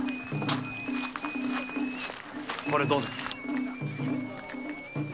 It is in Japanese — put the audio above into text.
これどうです？